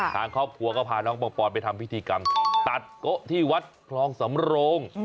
ทางครอบครัวก็พาน้องปังปอนไปทำพิธีกรรมตัดโกะที่วัดคลองสำโรง